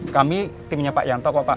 kami timnya pak yanto kok pak